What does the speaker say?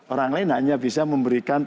orang lain hanya bisa memberikan